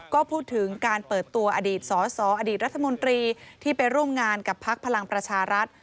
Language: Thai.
ก็พูดถึงการเปิดตัวอดีตสสอดีตรัฐมนตรีที่ไปร่วมงานกับพักพลังประชารัฐ